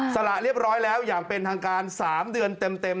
สละเรียบร้อยแล้วอย่างเป็นทางการ๓เดือนเต็ม